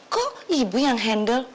kok ibu yang handle